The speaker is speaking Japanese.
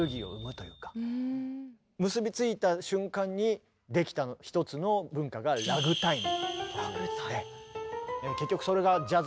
結び付いた瞬間に出来た一つの文化がラグタイム？